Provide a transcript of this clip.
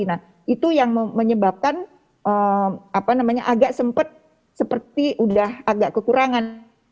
nah itu yang menyebabkan agak sempat seperti udah agak kekurangan